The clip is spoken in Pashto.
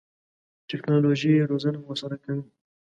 ټکنالوژي روزنه موثره کوي.